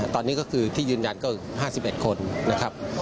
ตอนนี้ก็คือที่ยืนยันก็๕๑คนนะครับ